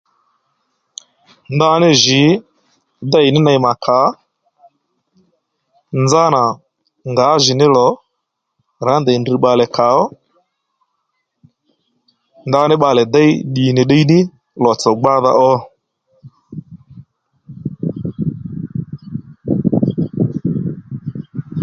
Ndaní jǐ dêy ní ney mà kǎ nzánà ngǎjìní lò rá ndèy drr bbalè kàó ndaní bbalè déy ddì nì ddiy ní lò-tsò gbádha ó